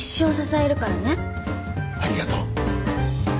ありがとう。